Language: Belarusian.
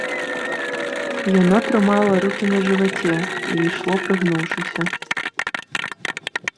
Яно трымала рукі на жываце і ішло прыгнуўшыся.